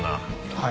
はい。